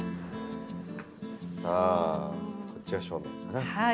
さあこっちが正面かな。